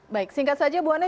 baik singkat saja bu ane